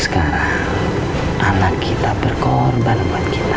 sekarang anak kita berkorban buat kita